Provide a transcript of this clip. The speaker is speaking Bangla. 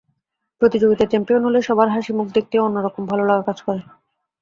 প্রতিযোগিতায় চ্যাম্পিয়ন হলে সবার হাসিমুখ দেখতেই অন্য রকম ভালোলাগা কাজ করে।